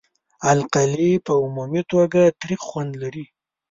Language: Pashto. القلي په عمومي توګه تریخ خوند لري.